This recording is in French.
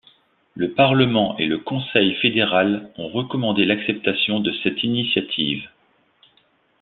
Le parlement et le Conseil fédéral ont recommandé l'acceptation de cette initiative.